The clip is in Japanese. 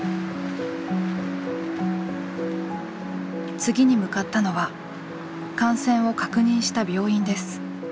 次に向かったのは感染を確認した病院です。